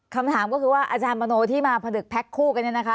คำถามก็คือว่าอาจารย์มโนที่มาผนึกแพ็คคู่กันเนี่ยนะคะ